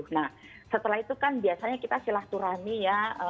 nah setelah itu kan biasanya kita silah turani ya